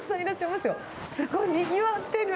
すごいにぎわってる。